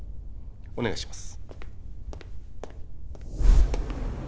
お願いします